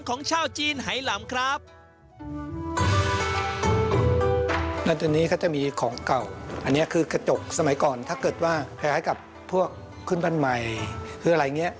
แบบให้กับพวกขึ้นพันธุ์ใหม่คืออะไรอย่างนี้